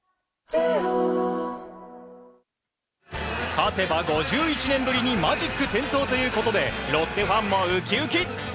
勝てば５１年ぶりにマジック点灯ということでロッテファンもウキウキ。